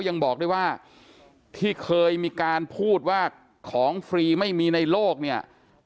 ยังบอกด้วยว่าที่เคยมีการพูดว่าของฟรีไม่มีในโลกเนี่ย